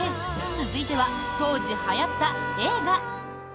続いては、当時はやった映画。